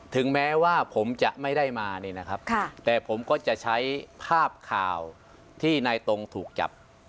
ถึงแม้ว่าผมจะไม่ได้มาแต่ผมก็จะใช้ภาพข่าวที่ในตรงถูกจับ